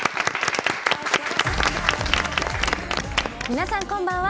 皆さん、こんばんは。